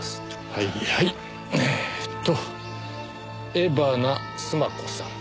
江花須磨子さん。